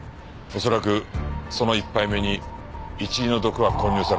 恐らくその１杯目にイチイの毒は混入されていた。